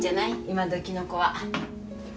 今どきの子は。